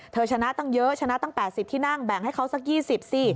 ชนะตั้งเยอะชนะตั้ง๘๐ที่นั่งแบ่งให้เขาสัก๒๐สิ